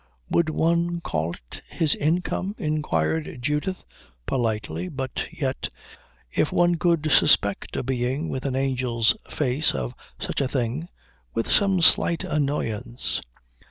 "Would one call it his income?" inquired Judith, politely but yet, if one could suspect a being with an angel's face of such a thing, with some slight annoyance.